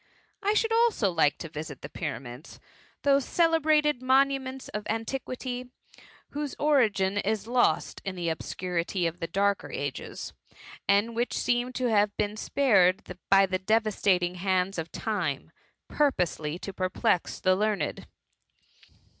I should also like to visit the pyramids, those celebrated monuments of antiquity, whose origin is lost in the obscu rity of the darker ages, and which seem to have been spared by the devastating hand of Time, purposely to perplex the learned.